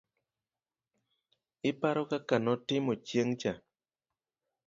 iparo kaka notimo chieng' cha?,